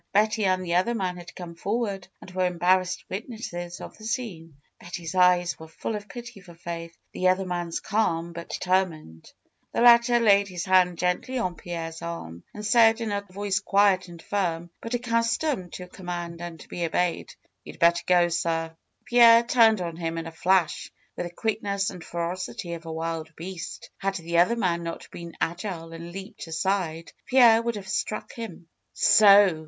Betty and the other man had come forward, and were embarrassed witnesses of the scene. Betty's eyes were full of pity for Faith; the other man's calm but deter mined. The latter laid his hand gently on Pierre's arm and said, in a voice quiet and firm, but accustomed to com mand and to be obeyed : ''You had better go, sir." Pierre turned on him in a flash, with the quickness and ferocity of a wild beast. Had the other man not been agile and leaped aside, Pierre would have struck him. "So!"